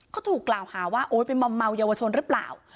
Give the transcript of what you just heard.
เขาถูกกล่าวหาว่าโอ้โหเป็นมัวเยาวชนหรือเปล่า